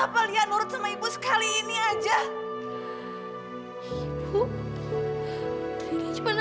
vocal yang harus agak lebih apa dub alberta